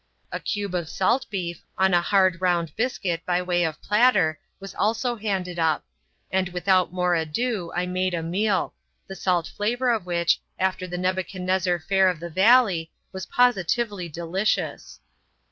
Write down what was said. A cube of salt beef, on a hard round biscuit by way of platter, was also handed up; and without more ado I made a meal, the salt flavour of which, after the Nebuchadnezzar fare of the valley, was positively delicious.